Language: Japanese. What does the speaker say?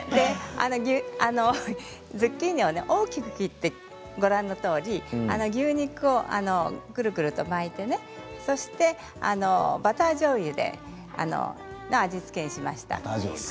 ズッキーニを大きく切ってご覧のとおり牛肉をくるくると巻いてねそして、バターじょうゆの味付けにしました。